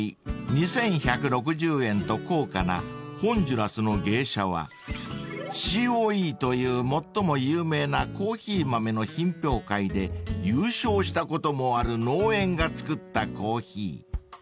［１杯２，１６０円と高価なホンジュラスのゲイシャはＣＯＥという最も有名なコーヒー豆の品評会で優勝したこともある農園が作ったコーヒー］